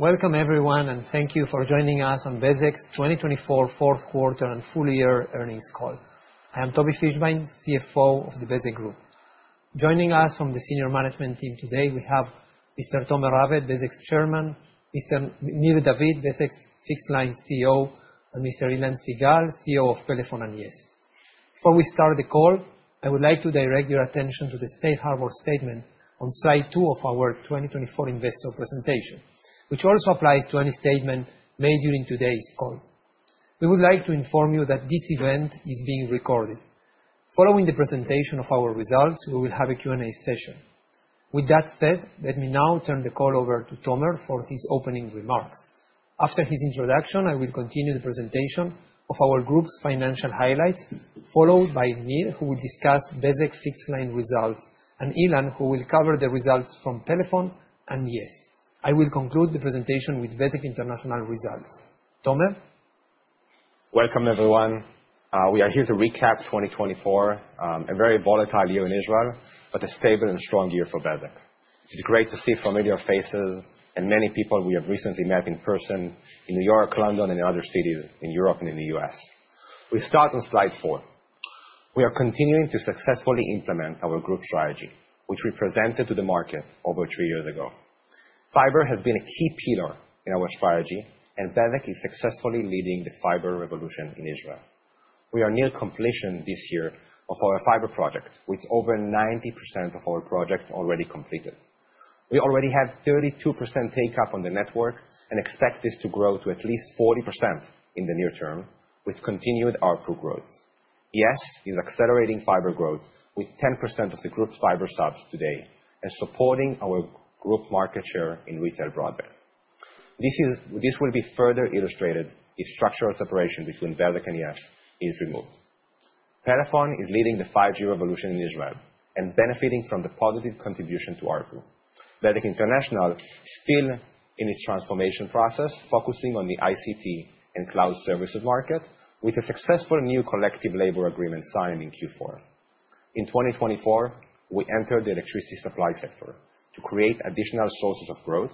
Welcome, everyone, and thank you for joining us on Bezeq's 2024 fourth quarter and full year earnings call. I am Tobi Fischbein, CFO of the Bezeq Group. Joining us from the senior management team today, we have Mr. Tomer Raved, Bezeq's chairman, Mr. Nir David, Bezeq's Fixed Line CEO, and Mr. Ilan Sigal, CEO of Pelephone and yes. Before we start the call, I would like to direct your attention to the safe harbor statement on slide two of our 2024 investor presentation, which also applies to any statement made during today's call. We would like to inform you that this event is being recorded. Following the presentation of our results, we will have a Q&A session. With that said, let me now turn the call over to Tomer for his opening remarks. After his introduction, I will continue the presentation of our group's financial highlights, followed by Nir, who will discuss Bezeq Fixed-Line results, and Ilan, who will cover the results from Pelephone and yes. I will conclude the presentation with Bezeq International results. Tomer? Welcome, everyone. We are here to recap 2024, a very volatile year in Israel, but a stable and strong year for Bezeq. It is great to see familiar faces and many people we have recently met in person in New York, London, and in other cities in Europe and in the U.S. We start on slide four. We are continuing to successfully implement our group strategy which we presented to the market over three years ago. Fiber has been a key pillar in our strategy, and Bezeq is successfully leading the fiber revolution in Israel. We are near completion this year of our fiber project, with over 90% of our project already completed. We already have 32% take-up on the network and expect this to grow to at least 40% in the near term, with continued ARPU growth. yes is accelerating fiber growth with 10% of the group's fiber subs today and supporting our group market share in retail broadband. This will be further illustrated if structural separation between Bezeq and yes is removed. Pelephone is leading the 5G revolution in Israel and benefiting from the positive contribution to our group. Bezeq International is still in its transformation process, focusing on the ICT and cloud services market, with a successful new collective labor agreement signed in Q4. In 2024, we entered the electricity supply sector to create additional sources of growth,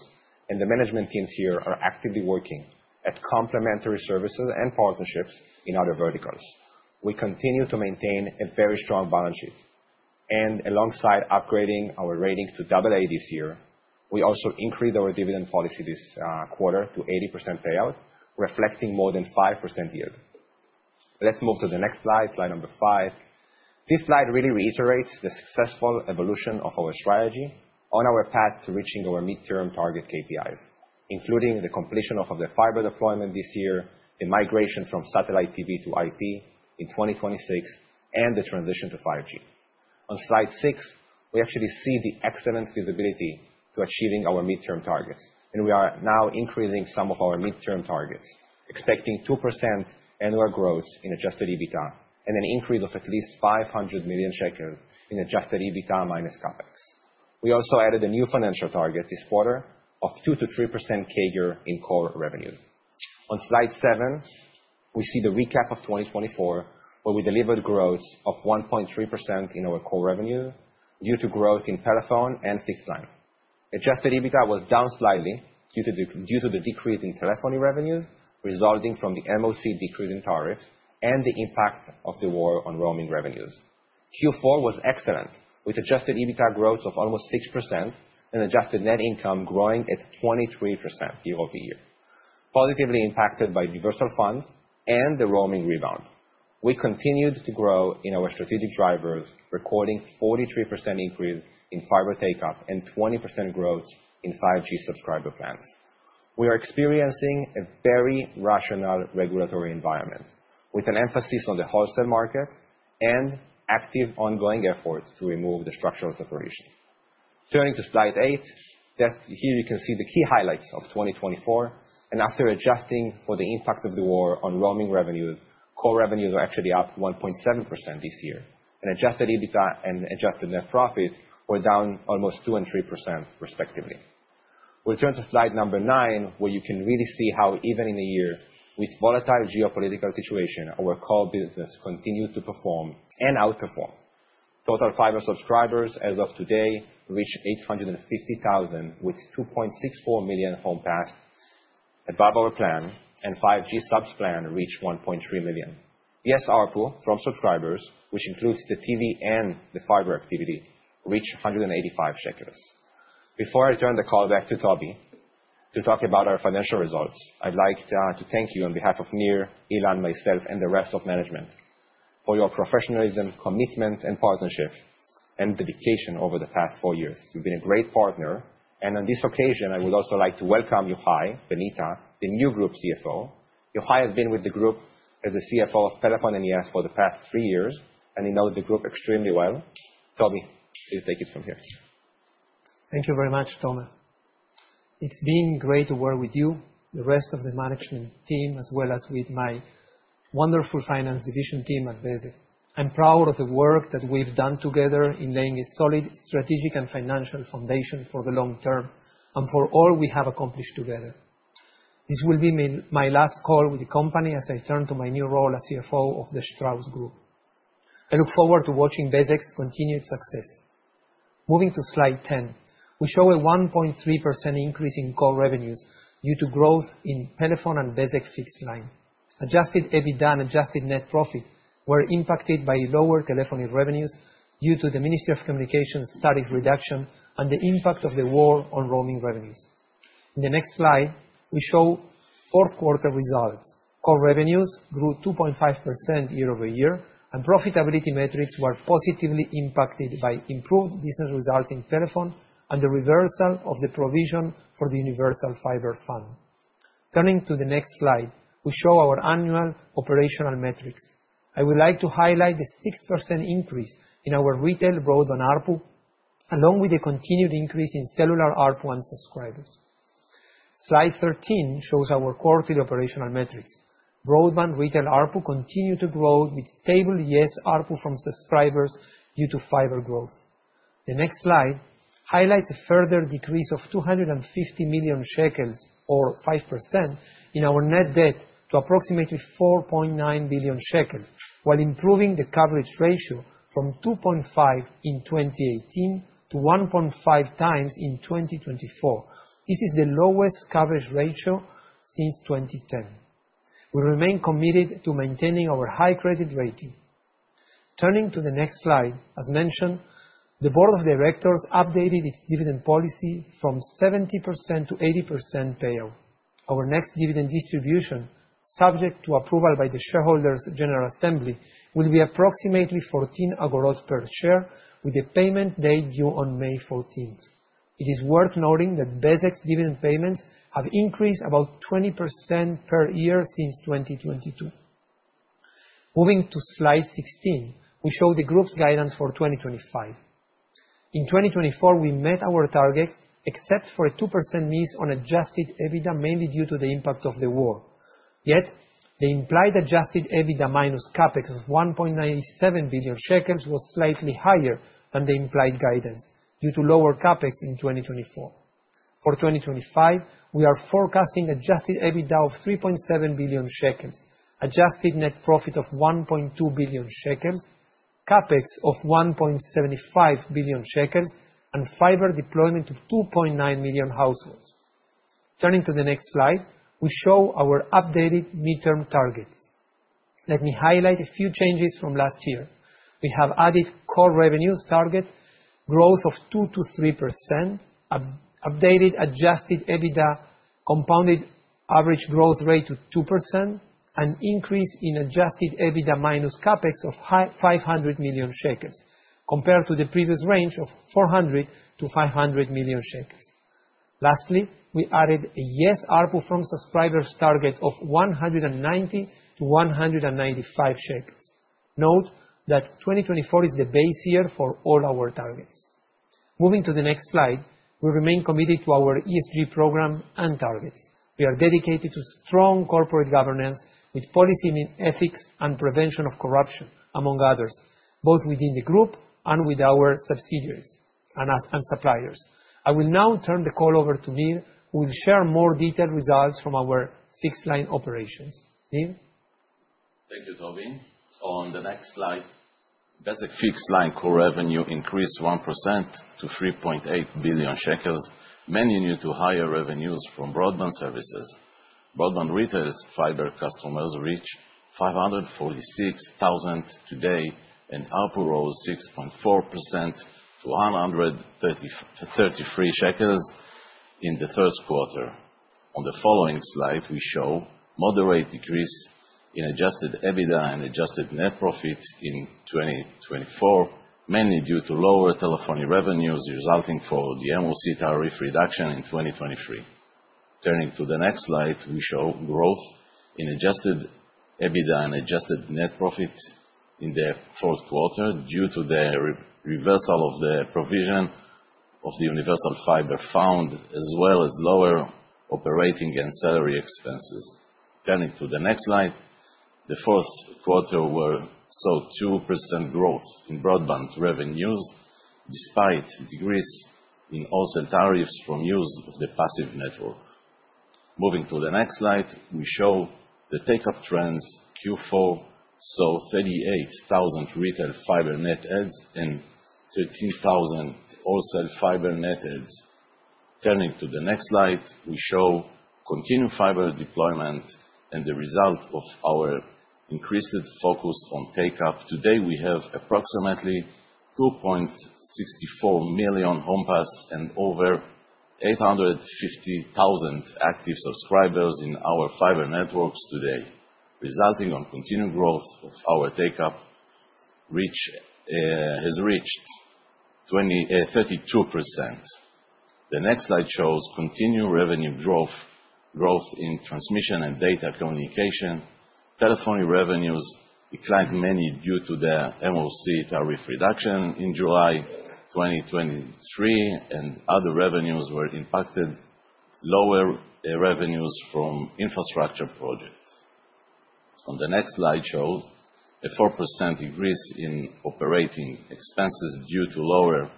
and the management teams here are actively working at complementary services and partnerships in other verticals. We'll continue to maintain a very strong balance sheet. And alongside upgrading our rating to AA this year, we also increased our dividend policy this quarter to 80% payout, reflecting more than 5% yield. Let's move to the next slide, slide number five. This slide really reiterates the successful evolution of our strategy on our path to reaching our mid-term target KPIs, including the completion of the fiber deployment this year, the migration from satellite TV to IP in 2026, and the transition to 5G. On slide six, we actually see the excellent visibility to achieving our mid-term targets. And we are now increasing some of our mid-term targets, expecting 2% annual growth in adjusted EBITDA and an increase of at least 500 million shekels in adjusted EBITDA minus Capex. We also added a new financial target this quarter of 2%-3% CAGR in core revenue. On slide seven, we see the recap of 2024, where we delivered growth of 1.3% in our core revenue due to growth in Pelephone and Fixed-Line. Adjusted EBITDA was down slightly due to the decrease in telephony revenues resulting from the MOC decrease in tariffs and the impact of the war on roaming revenues. Q4 was excellent, with adjusted EBITDA growth of almost 6% and adjusted net income growing at 23% year-over-year, positively impacted by the universal fund and the roaming rebound. We continued to grow in our strategic drivers, recording a 43% increase in fiber take-up and 20% growth in 5G subscriber plans. We are experiencing a very rational regulatory environment, with an emphasis on the wholesale market and active ongoing efforts to remove the structural separation. Turning to slide eight, here you can see the key highlights of 2024. After adjusting for the impact of the war on roaming revenues, core revenues are actually up 1.7% this year, and adjusted EBITDA and adjusted net profit were down almost 2% and 3%, respectively. We turn to slide number nine, where you can really see how, even in a year with a volatile geopolitical situation, our core business continued to perform and outperform. Total fiber subscribers as of today reached 850,000, with 2.64 million homes passed, above our plan, and the 5G subs plan reached 1.3 million. yes ARPU from subscribers, which includes the TV and the fiber activity, reached 185 shekels. Before I turn the call back to Tobi to talk about our financial results, I'd like to thank you on behalf of Nir, Ilan, myself, and the rest of management for your professionalism, commitment, and partnership, and dedication over the past four years. You've been a great partner, and on this occasion, I would also like to welcome Yohai Benita, the new group CFO. Yohai has been with the group as the CFO of Pelephone and yes for the past three years, and he knows the group extremely well. Tobi, please take it from here. Thank you very much, Tomer. It's been great to work with you, the rest of the management team, as well as with my wonderful finance division team at Bezeq. I'm proud of the work that we've done together in laying a solid strategic and financial foundation for the long term and for all we have accomplished together. This will be my last call with the company as I turn to my new role as CFO of the Strauss Group. I look forward to watching Bezeq's continued success. Moving to slide 10, we show a 1.3% increase in core revenues due to growth in Pelephone and Bezeq Fixed-Line. Adjusted EBITDA and Adjusted net profit were impacted by lower telephony revenues due to the Ministry of Communications' tariff reduction and the impact of the war on roaming revenues. In the next slide, we show fourth quarter results. Core revenues grew 2.5% year-over-year, and profitability metrics were positively impacted by improved business results in Pelephone and the reversal of the provision for the universal fiber fund. Turning to the next slide, we show our annual operational metrics. I would like to highlight the 6% increase in our retail broadband ARPU, along with the continued increase in cellular ARPU and subscribers. Slide 13 shows our quarterly operational metrics. Broadband retail ARPU continued to grow, with stable yes ARPU from subscribers due to fiber growth. The next slide highlights a further decrease of 250 million shekels or 5% in our net debt to approximately 4.9 billion shekels while improving the coverage ratio from 2.5x in 2018 to 1.5x in 2024. This is the lowest coverage ratio since 2010. We remain committed to maintaining our high credit rating. Turning to the next slide, as mentioned, the Board of Directors updated its dividend policy from 70% to 80% payout. Our next dividend distribution, subject to approval by the shareholders' general assembly, will be approximately 0.14 per share, with a payment date due on May 14th. It is worth noting that Bezeq's dividend payments have increased about 20% per year since 2022. Moving to slide 16, we show the group's guidance for 2025. In 2024, we met our targets, except for a 2% miss on adjusted EBITDA mainly due to the impact of the war. Yet, the implied adjusted EBITDA minus CapEx of 1.97 billion shekels was slightly higher than the implied guidance due to lower CapEx in 2024. For 2025, we are forecasting adjusted EBITDA of 3.7 billion shekels, adjusted net profit of 1.2 billion shekels, CapEx of 1.75 billion shekels, and fiber deployment of 2.9 million households. Turning to the next slide, we show our updated midterm targets. Let me highlight a few changes from last year. We have added core revenues target growth of 2%-3%, updated adjusted EBITDA compounded average growth rate to 2%, and increase in adjusted EBITDA minus Capex of 500 million shekels, compared to the previous range of 400-500 million shekels. Lastly, we added a yes ARPU from subscribers target of 190-195 shekels. Note that 2024 is the base year for all our targets. Moving to the next slide, we remain committed to our ESG program and targets. We are dedicated to strong corporate governance, with policy in ethics and prevention of corruption, among others, both within the group and with our subsidiaries and suppliers. I will now turn the call over to Nir, who will share more detailed results from our Fixed-Line operations. Nir? Thank you, Tobi. On the next slide, Bezeq Fixed-Line core revenue increased 1% to 3.8 billion shekels, mainly due to higher revenues from broadband services. Broadband retail's fiber customers reached 546,000 today, and ARPU rose 6.4% to 133 shekels in the fourth quarter. On the following slide, we show a moderate decrease in adjusted EBITDA and adjusted net profit in 2024, mainly due to lower telephony revenues resulting from the MOC tariff reduction in 2023. Turning to the next slide, we show growth in adjusted EBITDA and adjusted net profit in the fourth quarter due to the reversal of the provision of the universal fiber fund, as well as lower operating and salary expenses. Turning to the next slide, the fourth quarter saw 2% growth in broadband revenues despite decrease in wholesale tariffs from use of the passive network. Moving to the next slide, we show the take-up trends. Q4 saw 38,000 retail fiber net adds and 13,000 wholesale fiber net adds. Turning to the next slide, we show continued fiber deployment and the result of our increased focus on take-up. Today, we have approximately 2.64 million homes passed and over 850,000 active subscribers in our fiber networks today, resulting in continued growth of our take-up, which has reached 32%. The next slide shows continued revenue growth in transmission and data communication. Telephony revenues declined mainly due to the MOC tariff reduction in July 2023. And other revenues were impacted, lower revenues from infrastructure projects. On the next slide showed a 4% decrease in operating expenses due to lower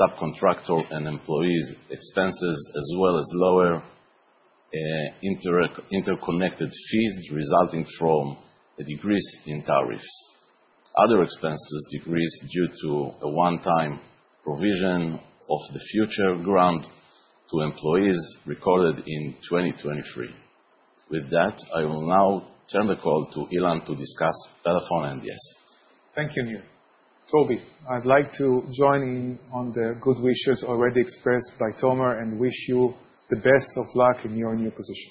subcontractor and employees' expenses, as well as lower interconnect fees resulting from a decrease in tariffs. Other expenses decreased due to a one-time provision of the future grant to employees recorded in 2023. With that, I will now turn the call to Ilan to discuss Pelephone and yes. Thank you, Nir. Tobi, I'd like to join in on the good wishes already expressed by Tomer and wish you the best of luck in your new position.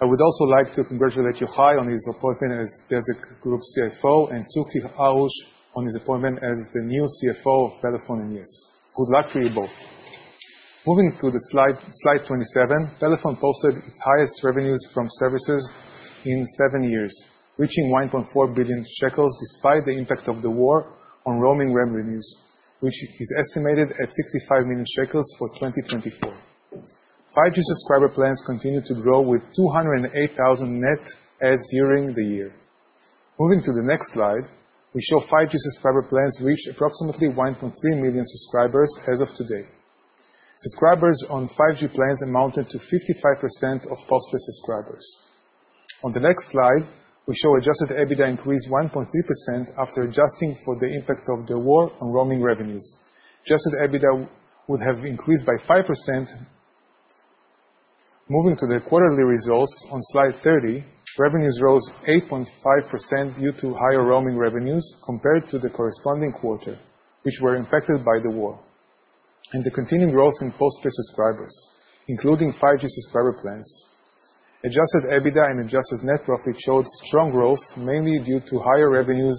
I would also like to congratulate Yohai on his appointment as Bezeq Group CFO and Tzuki Harush on his appointment as the new CFO of Pelephone and yes. Good luck to you both. Moving to the slide 27, Pelephone posted its highest revenues from services in seven years, reaching 1.4 billion shekels despite the impact of the war on roaming revenues, which is estimated at 65 million shekels for 2024. 5G subscriber plans continue to grow with 208,000 net adds during the year. Moving to the next slide, we show 5G subscriber plans reach approximately 1.3 million subscribers as of today. Subscribers on 5G plans amounted to 55% of postpaid subscribers. On the next slide, we show adjusted EBITDA increased 1.3% after adjusting for the impact of the war on roaming revenues. Adjusted EBITDA would have increased by 5%. Moving to the quarterly results, on slide 30, revenues rose 8.5% due to higher roaming revenues compared to the corresponding quarter, which were impacted by the war, and the continued growth in postpaid subscribers, including 5G subscriber plans. Adjusted EBITDA and adjusted net profit showed strong growth, mainly due to higher revenues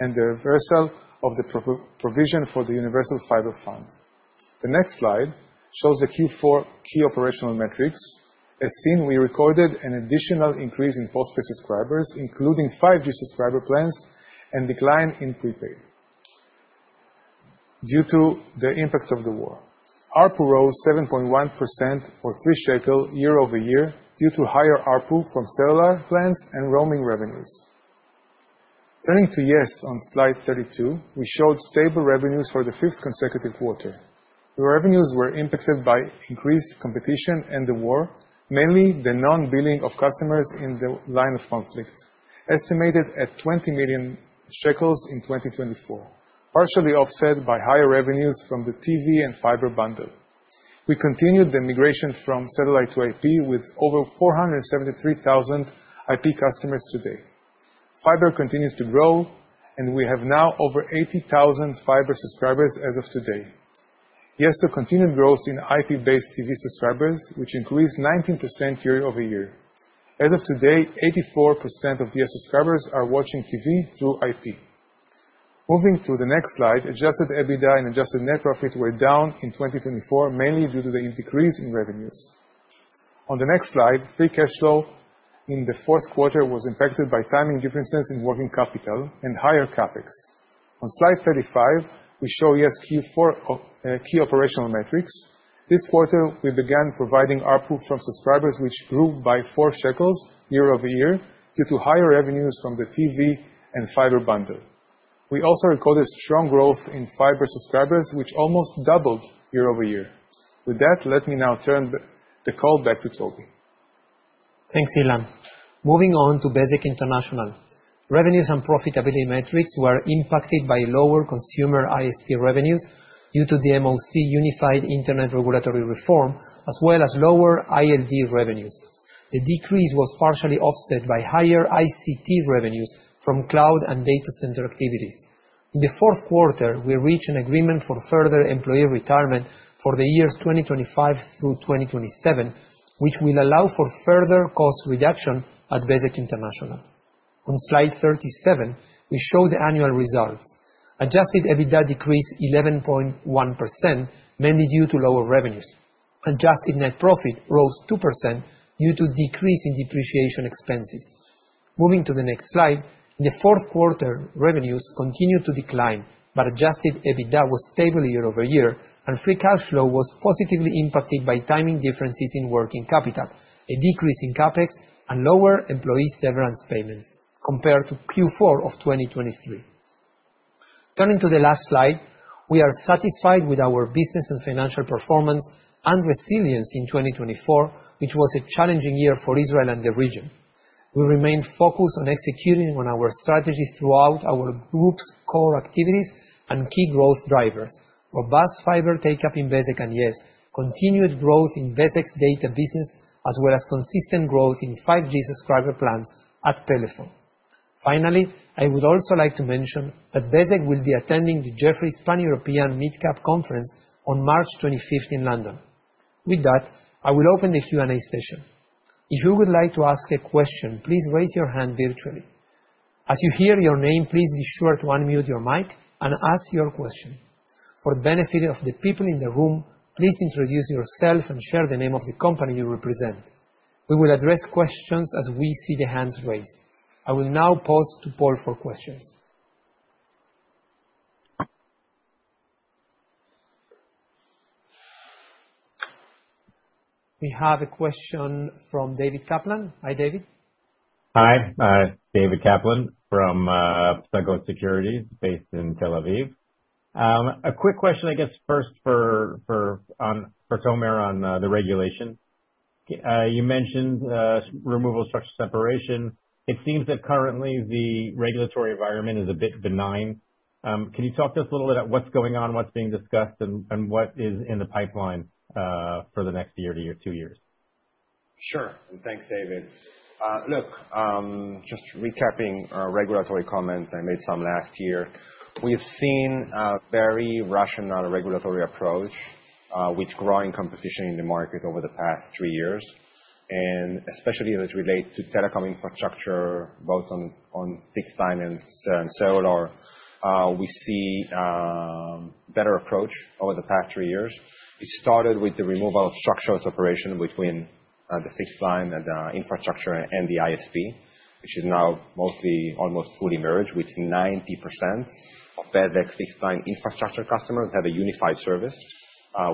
and the reversal of the provision for the universal fiber fund. The next slide shows the Q4 key operational metrics. As seen, we recorded an additional increase in postpaid subscribers, including 5G subscriber plans, and a decline in prepaid due to the impact of the war. ARPU rose 7.1% or 3 shekel year-over-year due to higher ARPU from cellular plans and roaming revenues. Turning to yes on slide 32, we showed stable revenues for the fifth consecutive quarter. The revenues were impacted by increased competition and the war, mainly the non-billing of customers in the line of conflict, estimated at 20 million shekels in 2024, partially offset by higher revenues from the TV and fiber bundle. We continued the migration from satellite to IP with over 473,000 IP customers today. Fiber continues to grow, and we have now over 80,000 fiber subscribers as of today. yes saw continued growth in IP-based TV subscribers, which increased 19% year-over-year. As of today, 84% of yes subscribers are watching TV through IP. Moving to the next slide, adjusted EBITDA and adjusted net profit were down in 2024, mainly due to the decrease in revenues. On the next slide, free cash flow in the fourth quarter was impacted by timing differences in working capital and higher CapEx. On slide 35, we show yes Q4 key operational metrics. This quarter, we began providing ARPU from subscribers, which grew by 4 shekels year-over-year due to higher revenues from the TV and fiber bundle. We also recorded strong growth in fiber subscribers, which almost doubled year-over-year. With that, let me now turn the call back to Tobi. Thanks, Ilan. Moving on to Bezeq International. Revenues and profitability metrics were impacted by lower consumer ISP revenues due to the MOC unified Internet regulatory reform, as well as lower ILD revenues. The decrease was partially offset by higher ICT revenues from cloud and data center activities. In the fourth quarter, we reached an agreement for further employee retirement for the years 2025 through 2027, which will allow for further cost reduction at Bezeq International. On slide 37, we show the annual results. Adjusted EBITDA decreased 11.1%, mainly due to lower revenues. Adjusted net profit rose 2% due to a decrease in depreciation expenses. Moving to the next slide, in the fourth quarter, revenues continued to decline, but adjusted EBITDA was stable year-over-year, and free cash flow was positively impacted by timing differences in working capital, a decrease in CapEx, and lower employee severance payments compared to Q4 of 2023. Turning to the last slide, we are satisfied with our business and financial performance and resilience in 2024, which was a challenging year for Israel and the region. We remained focused on executing on our strategy throughout our group's core activities and key growth drivers: robust fiber take-up in Bezeq and yes, continued growth in Bezeq's data business, as well as consistent growth in 5G subscriber plans at Pelephone. Finally, I would also like to mention that Bezeq will be attending the Jefferies Pan-European Mid-Cap Conference on March 25th in London. With that, I will open the Q&A session. If you would like to ask a question, please raise your hand virtually. As you hear your name, please be sure to unmute your mic and ask your question. For the benefit of the people in the room, please introduce yourself and share the name of the company you represent. We will address questions as we see the hands raised. I will now pause to poll for questions. We have a question from David Kaplan. Hi, David. Hi. David Kaplan from Psagot Securities, based in Tel Aviv. A quick question, I guess, first, for Tomer on the regulation. You mentioned removal of structural separation. It seems that currently the regulatory environment is a bit benign. Can you talk to us a little bit about what's going on, what's being discussed, and what is in the pipeline for the next year to two years? Sure. Thanks, David. Look, just recapping our regulatory comments. I made some last year. We have seen a very rational regulatory approach, with growing competition in the market over the past three years, and especially as it relates to telecom infrastructure, both on fixed line and cellular, we see a better approach over the past three years. It started with the removal of structural separation between the fixed line and the infrastructure and the ISP, which is now mostly almost fully merged, with 90% of Bezeq Fixed-Line infrastructure customers that have a unified service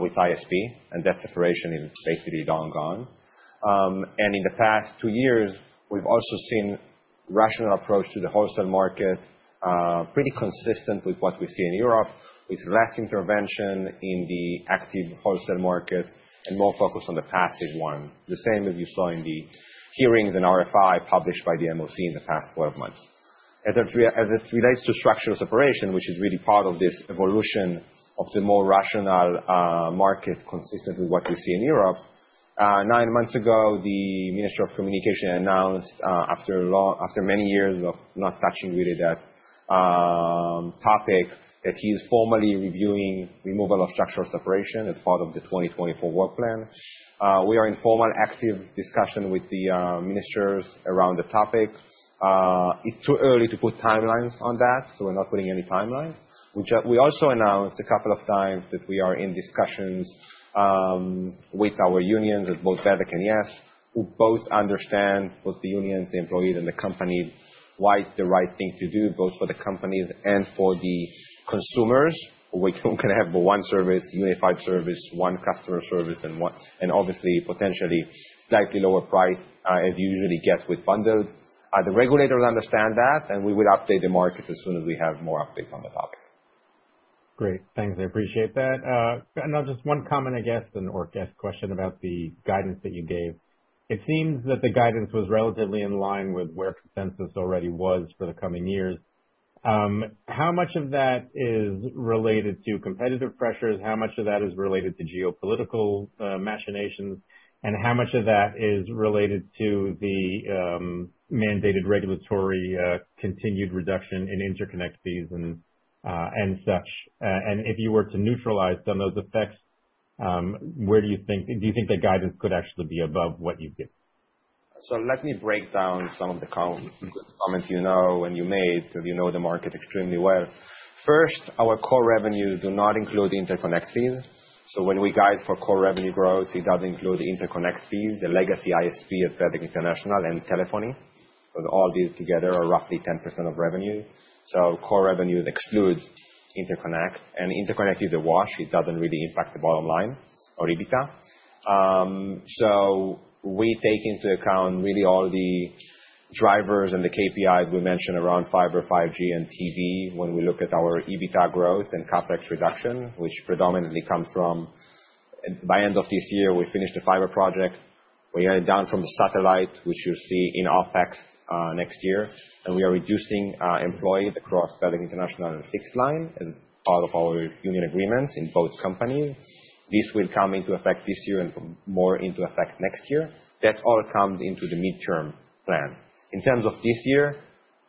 with ISP, and that separation is basically long gone. In the past two years, we've also seen a rational approach to the wholesale market, pretty consistent with what we see in Europe, with less intervention in the active wholesale market and more focus on the passive one, the same as you saw in the hearings and RFI published by the MOC in the past 12 months. As it relates to structural separation, which is really part of this evolution of the more rational market, consistent with what we see in Europe, nine months ago, the Minister of Communications announced, after many years of not touching really that topic, that he is formally reviewing the removal of structural separation as part of the 2024 work plan. We are in formal active discussion with the ministers around the topic. It's too early to put timelines on that, so we're not putting any timelines. We also announced a couple of times that we are in discussions with our unions at both Bezeq and yes, who both understand, both the unions, the employees, and the companies, why it's the right thing to do, both for the companies and for the consumers. We're going to have one service, unified service, one customer service, and obviously, potentially, slightly lower price as you usually get with bundled. The regulators understand that, and we will update the market as soon as we have more updates on the topic. Great. Thanks. I appreciate that. Now, just one comment, I guess, or question about the guidance that you gave. It seems that the guidance was relatively in line with where consensus already was for the coming years. How much of that is related to competitive pressures? How much of that is related to geopolitical machinations? And how much of that is related to the mandated regulatory continued reduction in interconnect fees and such? And if you were to neutralize some of those effects, where, do you think the guidance could actually be above what you give? So let me break down some of the comments you know and you made because you know the market extremely well. First, our core revenues do not include interconnect fees. So when we guide for core revenue growth, it doesn't include interconnect fees, the legacy ISP at Bezeq International and telephony. So all these together are roughly 10% of revenue. So core revenue excludes interconnect. And interconnect is a wash. It doesn't really impact the bottom line or EBITDA. So we take into account really all the drivers and the KPIs we mentioned around fiber, 5G, and TV when we look at our EBITDA growth and CapEx reduction, which predominantly comes from, by end of this year, we finish the fiber project. We are down from the satellite, which you'll see in OpEx next year. We are reducing employees across Bezeq International and Fixed-Line as part of our union agreements in both companies. This will come into effect this year and more into effect next year. That all comes into the mid-term plan. In terms of this year,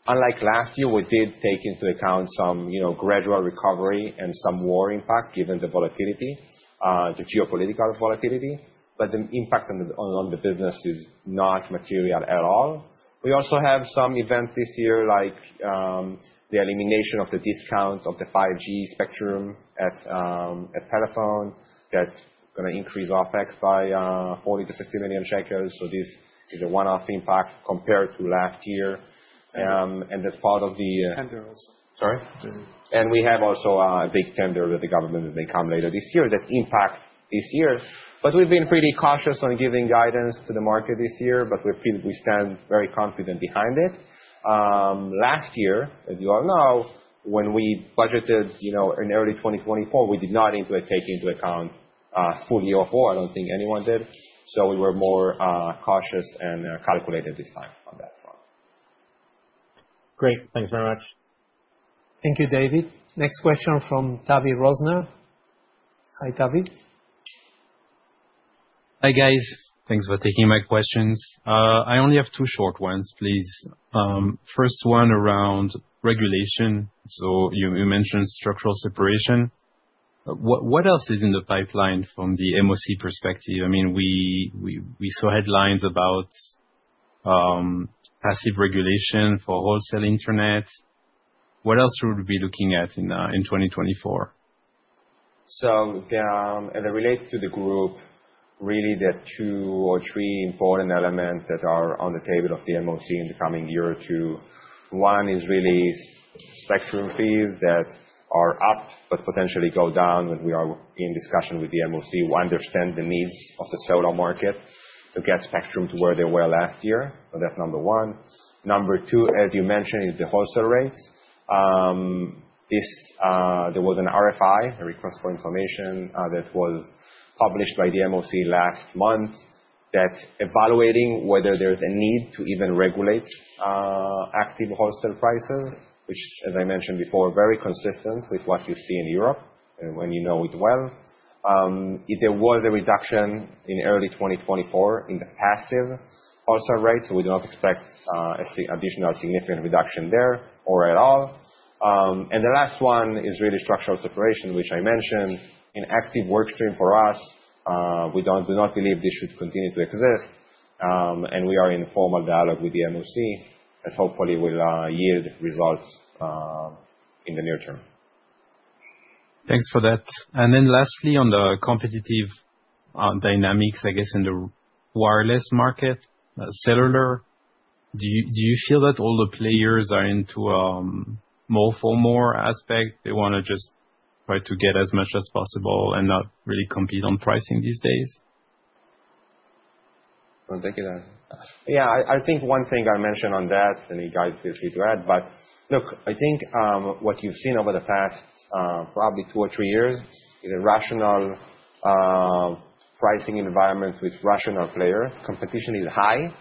unlike last year, we did take into account some gradual recovery and some war impact, given the volatility, the geopolitical volatility, but the impact on the business is not material at all. We also have some events this year, like the elimination of the discount of the 5G spectrum at Pelephone. That's going to increase OpEx by 40-50 million shekels. This is a one-off impact compared to last year. That's part of the Tender also. Sorry? Tender. And we have also a big tender with the government that may come later this year that impacts this year. But we've been pretty cautious on giving guidance to the market this year, but we stand very confident behind it. Last year, as you all know, when we budgeted in early 2024, we did not take into account a full year of war. I don't think anyone did. So we were more cautious and calculated this time on that front. Great. Thanks very much. Thank you, David. Next question, from Tavy Rosner. Hi, Tavy. Hi, guys. Thanks for taking my questions. I only have two short ones, please. First one, around regulation. So you mentioned structural separation. What else is in the pipeline from the MOC perspective? I mean, we saw headlines about passive regulation for wholesale Internet. What else should we be looking at in 2024? So as it relates to the group, really there are two or three important elements that are on the table of the MOC in the coming year or two. One is really spectrum fees that are up but potentially go down. We are in discussion with the MOC. We understand the needs of the cellular market to get spectrum to where they were last year. So that's number one. Number two, as you mentioned, is the wholesale rates. There was an RFI, a request for information, that was published by the MOC last month that is evaluating whether there is a need to even regulate active wholesale prices, which, as I mentioned before, are very consistent with what you see in Europe and you know it well. There was a reduction in early 2024 in the passive wholesale rates, so we do not expect additional significant reduction there or at all. And the last one is really structural separation, which I mentioned, in active work stream for us. We do not believe this should continue to exist. And we are in formal dialogue with the MOC that hopefully will yield results in the near term. Thanks for that. And then lastly, on the competitive dynamics, I guess, in the wireless market, cellular, do you feel that all the players are into a more-for-more aspect? They want to just try to get as much as possible and not really compete on pricing these days. I think one thing I mentioned on that. And you guys, feel free to add, but look, I think what you've seen over the past probably two or three years is a rational pricing environment with rational players. Competition is high.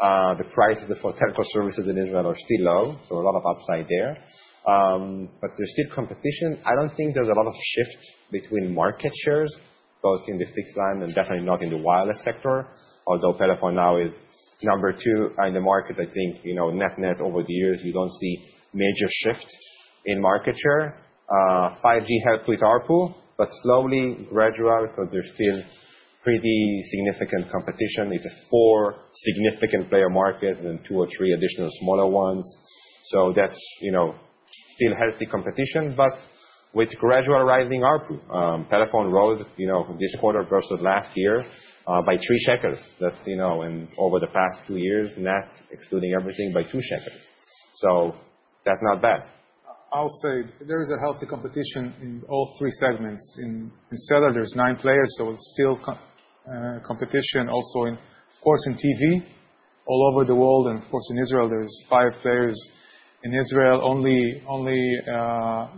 The prices for telco services in Israel are still low, so a lot of upside there, but there's still competition. I don't think there's a lot of shift between market shares, both in the fixed line and definitely not in the wireless sector, although Pelephone now is number two in the market. I think, net-net over the years, you don't see a major shift in market share. 5G helped with ARPU, but slowly gradual because there's still pretty significant competition. It's a four-significant-player market and then two or three additional smaller ones, so that's still healthy competition but with gradual rising ARPU. Pelephone rose this quarter versus last year by 3 shekels; and over the past two years, net excluding everything, by 2 shekels, so that's not bad. I'll say there is a healthy competition in all three segments. In cellular, there's nine players, so it's still competition. Also, of course, in TV all over the world. And of course, in Israel, there are five players; in Israel, only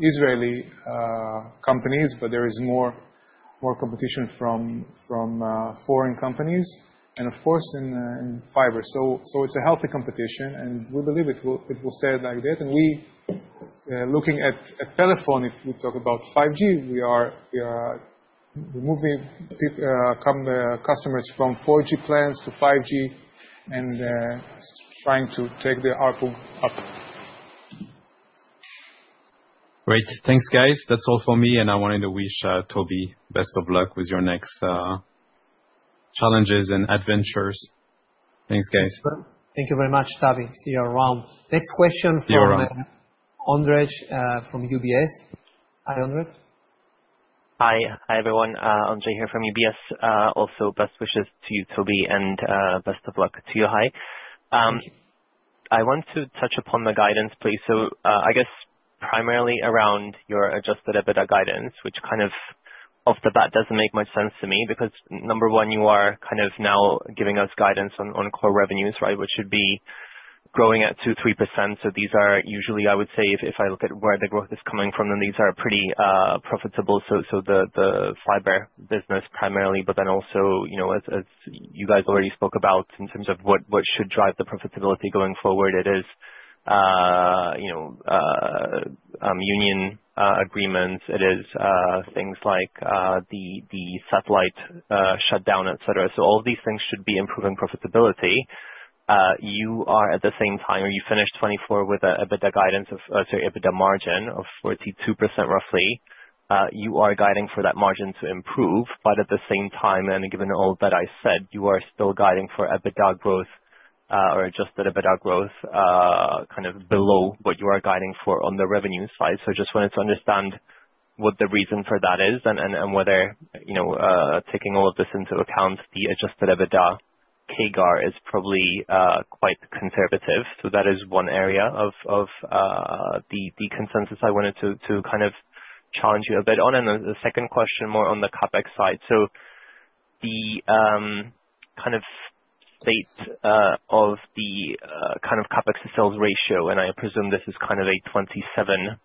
Israeli companies, but there is more competition from foreign companies and, of course, in fiber. So it's a healthy competition, and we believe it will stay like that. And looking at Pelephone, if we talk about 5G, we are moving customers from 4G plans to 5G and trying to take the ARPU up. Great. Thanks, guys. That's all for me, and I wanted to wish Tobi best of luck with your next challenges and adventures. Thanks, guys. Thank you very much, Tavy. See you around. See you around. Next question, from Ondrej from UBS. Hi, Ondrej. Hi, everyone. Ondrej here from UBS. Also, best wishes to you, Tobi. And best of luck to Yohai. I want to touch upon the guidance, please. So I guess primarily around your adjusted EBITDA guidance, which kind of, off the bat, doesn't make much sense to me because, number one, you are kind of now giving us guidance on core revenues, right, which should be growing at 2%, 3%. So these are usually, I would say, if I look at where the growth is coming from, then these are pretty profitable. So the fiber business primarily, but then also, as you guys already spoke about in terms of what should drive the profitability going forward, it is union agreements. It is things like the satellite shutdown, etc. So all of these things should be improving profitability. You are, at the same time, or you finished 2024 with an EBITDA guidance of, sorry, EBITDA margin of 42% roughly. You are guiding for that margin to improve, but at the same time, and given all that I said, you are still guiding for EBITDA growth or adjusted EBITDA growth kind of below what you are guiding for on the revenue side, so I just wanted to understand what the reason for that is and whether, taking all of this into account, the adjusted EBITDA CAGR is probably quite conservative. So that is one area of the consensus I wanted to kind of challenge you a bit on. And the second question, more on the CapEx side. So the kind of state of the kind of CapEx-to-sales ratio, and I presume this is kind of a 2027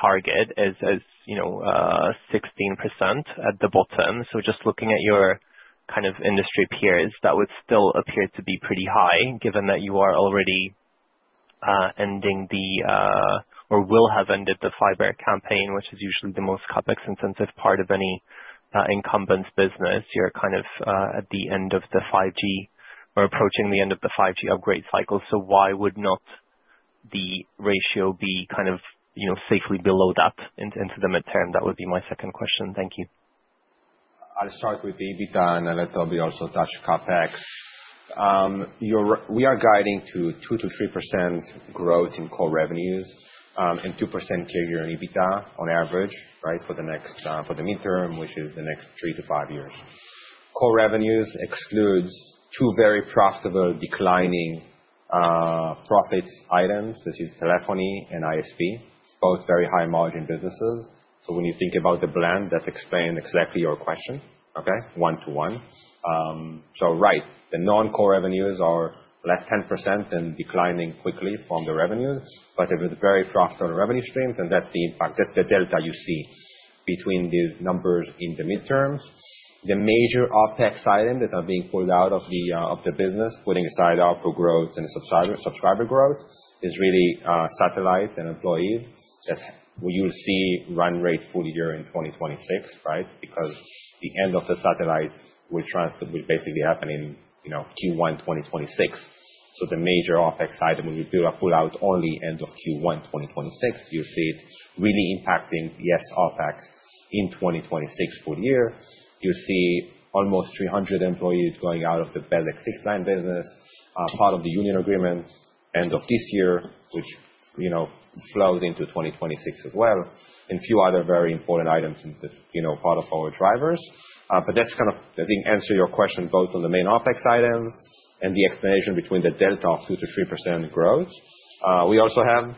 target, as 16% at the bottom. So just looking at your kind of industry peers, that would still appear to be pretty high given that you are already ending or will have ended the fiber campaign, which is usually the most CapEx-intensive part of any incumbent's business. You're kind of at the end of the 5G or approaching the end of the 5G upgrade cycle, so why would not the ratio be kind of safely below that into the midterm? That would be my second question. Thank you. I'll start with the EBITDA and I'll let Tobi also touch CapEx. We are guiding to 2%-3% growth in core revenues and 2% CAGR in EBITDA on average, right, for the midterm, which is the next three-five years. Core revenues excludes two very profitable declining-profits items. This is telephony and ISP, both very high-margin businesses. So when you think about the blend, that's explaining exactly your question, okay, one to one. So right, the non-core revenues are 10% and declining quickly from the revenues, but it was very profitable revenue streams, then that's the impact. That's the delta you see between the numbers in the midterms. The major OpEx items that are being pulled out of the business, putting aside ARPU growth and subscriber growth, is really satellite and employees that you'll see run rate full year in 2026, right, because the end of the satellite will basically happen in Q1 2026. So the major OpEx item will be pulled out only end of Q1 2026. You'll see it really impacting yes OpEx in 2026 full year. You'll see almost 300 employees going out of the Bezeq Fixed-Line business, part of the union agreement, end of this year, which flows into 2026 as well, and a few other very important items that are part of our drivers. But that's kind of, I think, answer your question both on the main OpEx items and the explanation between the delta of 2%-3% growth. We also have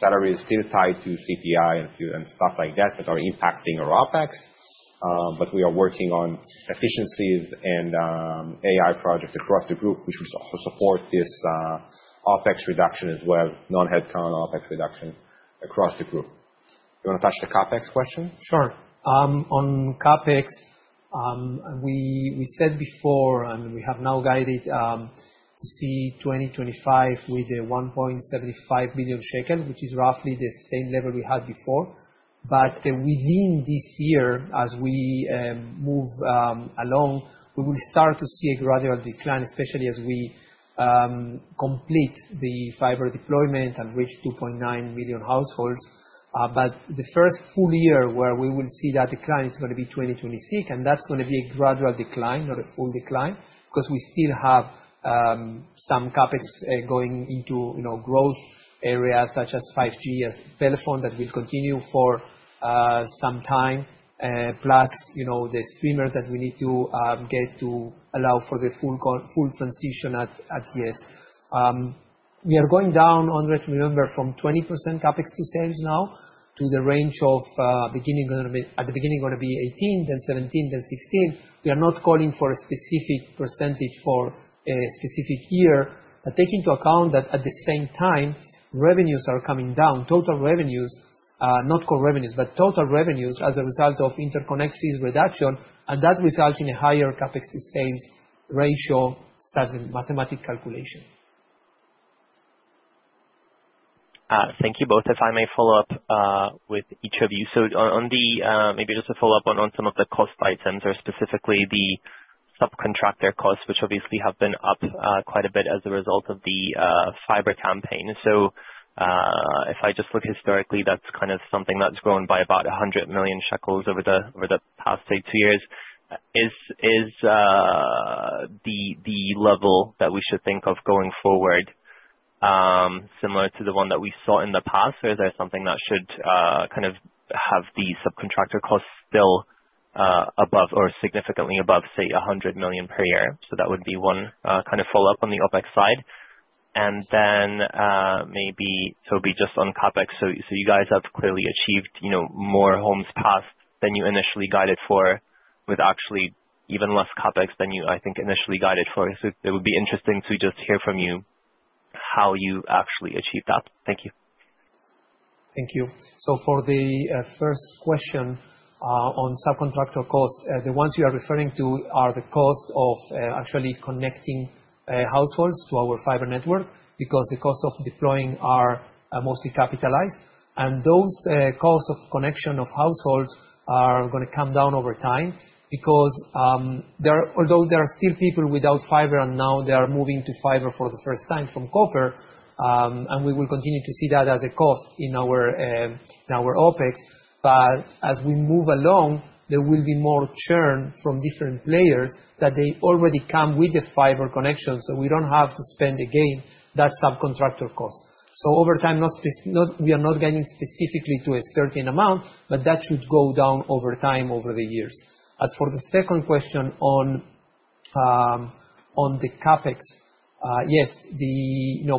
salaries still tied to CPI and stuff like that that are impacting our OpEx, but we are working on efficiencies and AI projects across the group which will support this OpEx reduction as well, non-headcount OpEx reduction, across the group. Do you want to touch the CapEx question? Sure. On CapEx, we said before and we have now guided to see 2025 with 1.75 billion shekel, which is roughly the same level we had before, but within this year, as we move along, we will start to see a gradual decline, especially as we complete the fiber deployment and reach 2.9 million households, but the first full year where we will see that decline is going to be 2026. And that's going to be a gradual decline, not a full decline, because we still have some CapEx going into growth areas such as 5G as Pelephone that will continue for some time, plus the streamers that we need to get to allow for the full transition at yes. We are going down, Ondrej, remember, from 20% CapEx-to-sales now to the range of, at the beginning, going to be 18%, then 17%, then 16%. We are not calling for a specific percentage for a specific year, but take into account that, at the same time, revenues are coming down, total revenues, not core revenues but total revenues, as a result of interconnect fees reduction. And that results in a higher CapEx-to-sales ratio as a mathematic calculation. Thank you both. If I may follow up with each of you, so maybe just to follow up on some of the cost items or specifically the subcontractor costs, which obviously have been up quite a bit as a result of the fiber campaign. So if I just look historically, that's kind of something that's grown by about 100 million shekels over the past, say, two years. Is the level that we should think of going forward similar to the one that we saw in the past? Or is there something that should kind of have the subcontractor costs still above or significantly above, say, 100 million per year? So that would be one kind of follow-up on the OpEx side. Then maybe Tobi, just on Capex. So you guys have clearly achieved more homes passed than you initially guided for with actually even less Capex than you, I think, initially guided for, so it would be interesting to just hear from you how you actually achieved that. Thank you. Thank you. So for the first question on subcontractor cost, the ones you are referring to are the cost of actually connecting households to our fiber network because the cost of deploying are mostly capitalized. And those costs of connection of households are going to come down over time because, although there are still people without fiber and now they are moving to fiber for the first time from copper. And we will continue to see that as a cost in our OpEx, but as we move along, there will be more churn from different players that they already come with the fiber connection, so we don't have to spend again that subcontractor cost. So over time, we are not guiding specifically to a certain amount, but that should go down over time over the years. As for the second question on the CapEx, yes,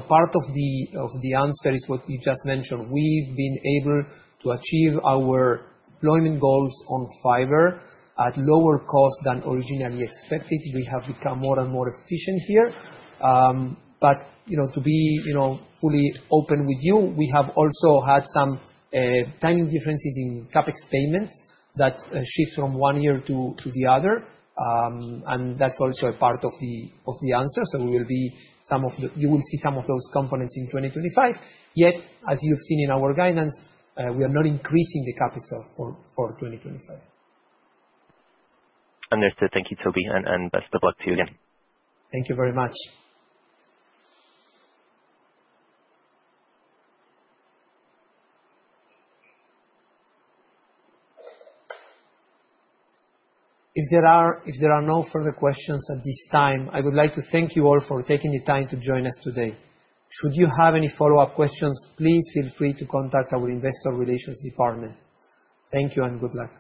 part of the answer is what you just mentioned. We've been able to achieve our deployment goals on fiber at lower cost than originally expected. We have become more and more efficient here, but to be fully open with you, we have also had some tiny differences in CapEx payments that shift from one year to the other, and that's also a part of the answer. So you will see some of those components in 2025, yet as you've seen in our guidance, we are not increasing the CapEx for 2025. Understood. Thank you, Tobi, and best of luck to you again. Thank you very much. If there are no further questions at this time, I would like to thank you all for taking the time to join us today. Should you have any follow-up questions, please feel free to contact our investor relations department. Thank you and good luck.